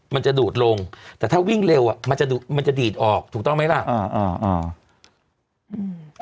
มันจะดูดลงแต่ถ้าวิ่งเร็วอ่ะมันจะดูดมันจะดีดออกถูกต้องไหมล่ะอ่าอ่าอืม